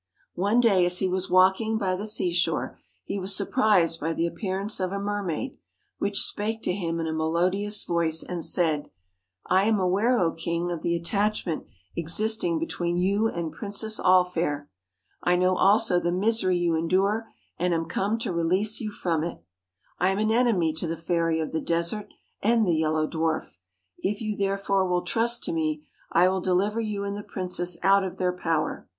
One day as he was walking by the sea shore, he was surprised by the appearance of a mermaid, which spake to him in a melodious voice, and said :' I am aware, O king, of the attachment existing 104 between you and princess All fair; I know also THE the misery you endure, and am come to release YELLOW you from it. I am an enemy to the Fairy of the DWAR F Desert and the Yellow Dwarf; if you, therefore, will trust to me, I will deliver you and the princess out of their power.'